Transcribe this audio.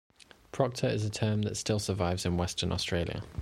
Proctor is a term that still survives in Western Australia.